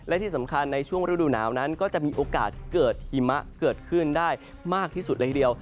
และที่สำคัญในช่วงฤดูหนาวนั้นก็จะมีโอกาสเกิดหิมะเกิดขึ้นได้มากที่สุดเลยทีเดียว